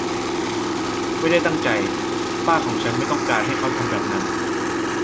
ไม่ได้ตั้งใจ ป้าของฉันไม่ต้องการให้เขาทำแบบนั้น